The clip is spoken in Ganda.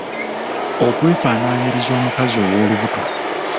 Okwefaanaanyiriza omukazi ow’olubuto.